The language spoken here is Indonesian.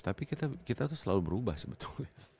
tapi kita tuh selalu berubah sebetulnya